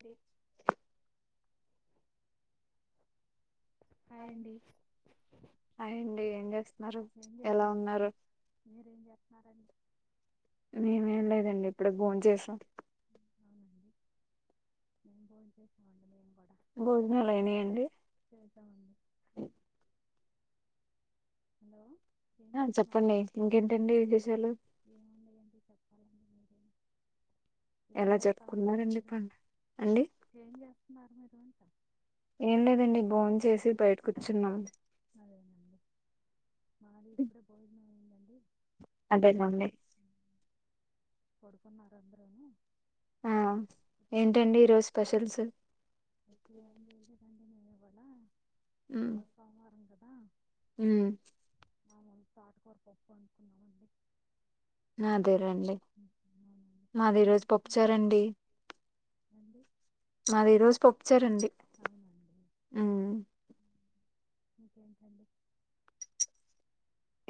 అండి హాయ్ అండి హాయ్ యండి ఏం చేస్తున్నారు ఏం ఎలా చేయట్లేదండి ఉన్నారు మీరేం చేస్తున్నారండి మేమేం లేదండి ఇప్పుటికి భోంచసాం మే పోయి మ భోజనాలు అయినాయండి చేశామండి అ హలో ఏం ఆ చేస్తున్నారు చెప్పండి ఇంకేంటండి విశేషాలు ఏముండయండి చెప్పాలండి మీరేం ఏం ఎలా చేస్తా ఉంటారు జరుపుకున్నారండి మీరు పండు అండి ఏం చేస్తున్నారు మీరు అంటా ఏం లేదండి భోన్ చేసి బయట కూర్చున్నాం అదేనండి మాది ఇప్పుడ పోయిందయిందండి అదేనండి పడుకున్నార అందరేమ ఆ ఏంటండి ఈరోజు స్పెషల్స్ ఈ రోజు సోమవారం కదా హ మేమంత ఆకుకూర పప్పు అనుకున్నామండి మాదే రండి మాది మీరేం రోజు చేస్తున్నారండి పప్పుచారండి మాది ఈ రోజు పప్పుచారండి అవునండి ఓకేడి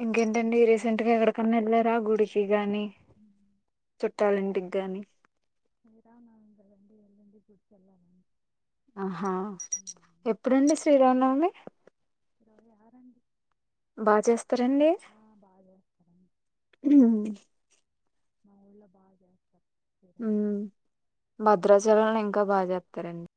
ఇంకేంటండి రీసెంట్ గా ఎక్కడికన్నా వెళ్ళారా గుడికి గాని చుట్టాలి ఇంటికి గాని అ నా ఇంగడి వెళ్ళంటి కుచలా ఆహా ఎప్పుడుండి శ్రీరామనవమి ఇ యారండి బాగా చేస్తారండి బాగా చేస్తారండి నా ఉ బాగా ఉ శ్రీరామనవమి భద్రాచలంలో ఇంకా బాగా చెప్తారండి